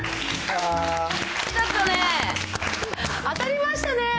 当たりましたね。